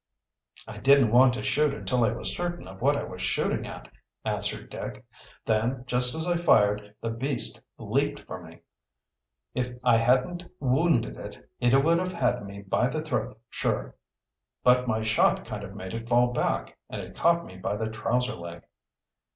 "I didn't want to shoot until I was certain of what I was shooting at," answered Dick. "Then, just as I fired, the beast leaped for me. If I hadn't wounded it, it would have had me by the throat sure. But my shot kind of made it fall back, and it caught me by the trouser leg."